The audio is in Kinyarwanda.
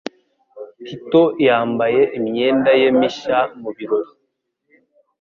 tito yambaye imyenda ye mishya mu birori.